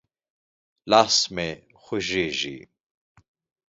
لاس مې خوږېږي.